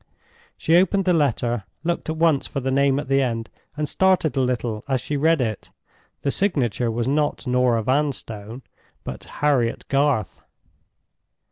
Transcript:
She opened the letter, looked at once for the name at the end, and started a little as she read it. The signature was not "Norah Vanstone," but "Harriet Garth."